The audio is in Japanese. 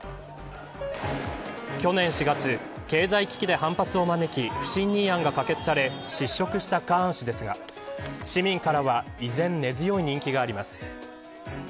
去年４月、経済危機で反発を招き不信任案が可決され失職したカーン氏ですが市民からは依然、根強い人気があります。